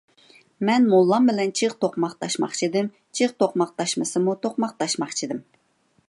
مەن موللام بىلەن چىغ توقماقداشماقچىدىم، چىغ توقماقداشمىسىمۇ توقماقداشماقچىدىم.